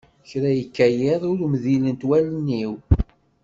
kra yekka yiḍ, ur mdilent wallen-iw.